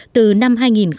từ năm hai nghìn một mươi hai